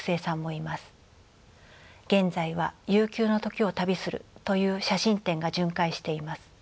現在は「悠久の時を旅する」という写真展が巡回しています。